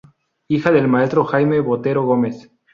Hija del maestro Jaime Botero Gómez.